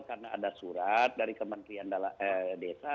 karena ada surat dari kementerian desa